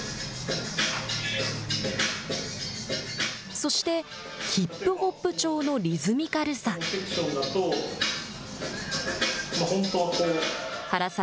そして、ヒップホップ調のリズミカルさ。